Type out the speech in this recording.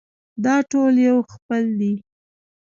دا ټول یو خېل دي.